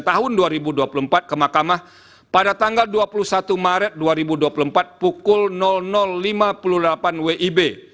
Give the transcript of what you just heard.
tahun dua ribu dua puluh empat ke mahkamah pada tanggal dua puluh satu maret dua ribu dua puluh empat pukul lima puluh delapan wib